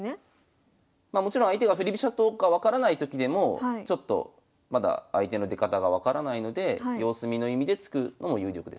もちろん相手が振り飛車党か分からないときでもまだ相手の出方が分からないので様子見の意味で突くのも有力です。